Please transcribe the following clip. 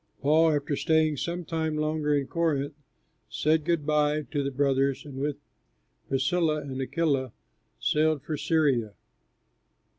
Paul, after staying some time longer in Corinth, said good by to the brothers and with Priscilla and Aquila, sailed for Syria.